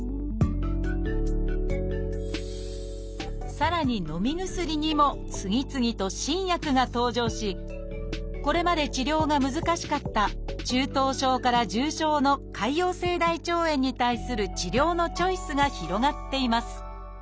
さらにのみ薬にも次々と新薬が登場しこれまで治療が難しかった中等症から重症の潰瘍性大腸炎に対する治療のチョイスが広がっています